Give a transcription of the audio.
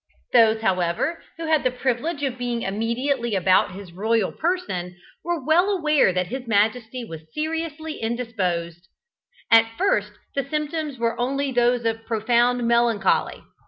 Those, however, who had the privilege of being immediately about his royal person, were well aware that his majesty was seriously indisposed. At first the symptoms were only those of profound melancholy.